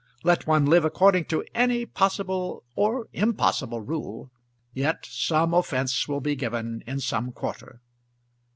Let one live according to any possible or impossible rule, yet some offence will be given in some quarter.